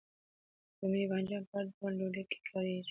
رومي بانجان په هر ډول ډوډۍ کې کاریږي.